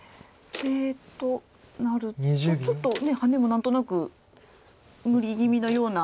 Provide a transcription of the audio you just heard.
となるとちょっとハネも何となく無理気味のような。